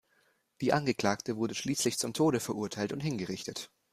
Die Angeklagte wurde schließlich zum Tode verurteilt und hingerichtet.